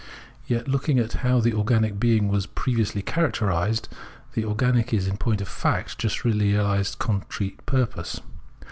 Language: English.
Yet looking at how the organic being was previously characterised, the organic is in point of fact just realised concrete purpose.